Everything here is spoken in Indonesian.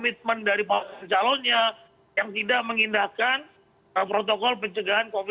jadi ini pilihan ini adalah mengimasakan pengalaman dari calonnya yang tidak mengindahkan protokol pencegahan covid sembilan belas